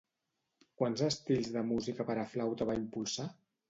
Quants estils de música per a flauta va impulsar?